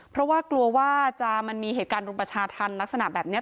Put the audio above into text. เพราะว่ากลัวว่ามันมีเหตุการณ์รุมประชาธรรมลักษณะแบบนี้